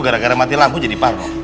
gara gara mati lampu jadi parno